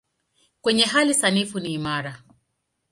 Kwenye hali sanifu ni imara.